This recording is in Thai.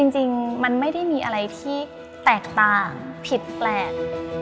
จริงมันไม่ได้มีอะไรที่แตกต่างผิดแปลก